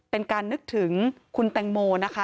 เป็นการนึกถึงคุณแตงโมนะคะ